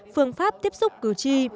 phương pháp tiếp xúc cử tri